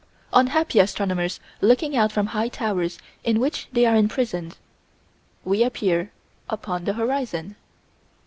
Unhappy astronomers looking out from high towers in which they are imprisoned we appear upon the horizon.